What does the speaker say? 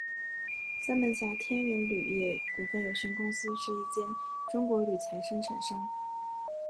三门峡天元铝业股份有限公司是一间中国铝材生产商。